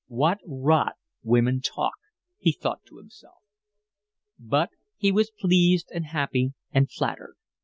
"What rot women talk!" he thought to himself. But he was pleased and happy and flattered.